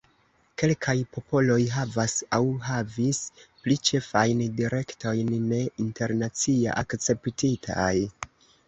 Kelkaj popoloj havas aŭ havis pli ĉefajn direktojn ne internacia akceptitaj.